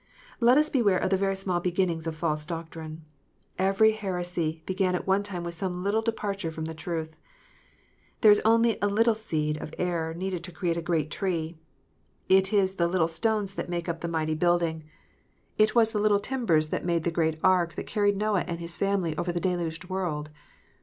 Let us beware of the very small beginnings of false doctrine. Every heresy began at one time with some little departure from the truth. There is only a little seed of error needed to create a great tree. It is the little stones that make up the mighty 338 KNOTS UNTIED. building. It was the little timbers that made the great ark that carried ISToah and his family over a deluged world.